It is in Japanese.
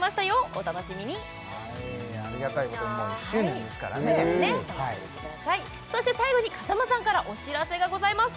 お楽しみにありがたいことにもう１周年ですからねそして最後に風間さんからお知らせがございます